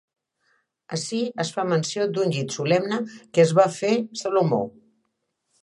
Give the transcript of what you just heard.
Ací es fa menció d'un llit solemne que es va fer Salomó.